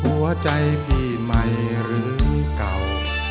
ก็จะรู้ว่าหัวใจพี่ใหม่หรือเก่า